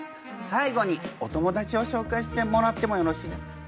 最後にお友達をしょうかいしてもらってもよろしいですか？